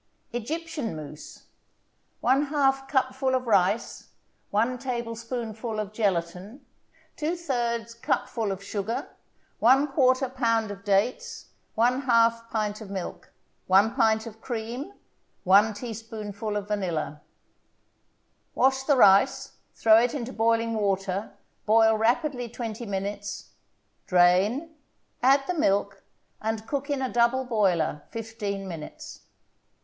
EGYPTIAN MOUSSE 1/2 cupful of rice 1 tablespoonful of gelatin 2/3 cupful of sugar 1/4 pound of dates 1/2 pint of milk 1 pint of cream 1 teaspoonful of vanilla Wash the rice, throw it into boiling water, boil rapidly twenty minutes; drain, add the milk, and cook in a double boiler fifteen minutes.